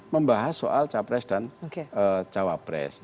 membahas soal capres dan cawapres